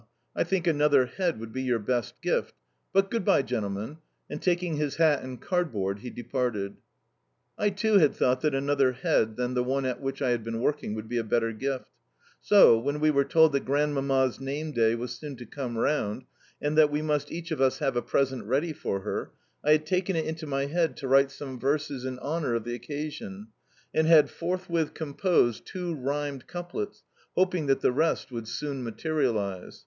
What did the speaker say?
I think another head would be your best gift. But good bye, gentlemen," and taking his hat and cardboard he departed. I too had thought that another head than the one at which I had been working would be a better gift; so, when we were told that Grandmamma's name day was soon to come round and that we must each of us have a present ready for her, I had taken it into my head to write some verses in honour of the occasion, and had forthwith composed two rhymed couplets, hoping that the rest would soon materialise.